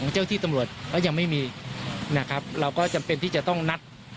เจ้าที่ตำรวจก็ยังไม่มีนะครับเราก็จำเป็นที่จะต้องนัด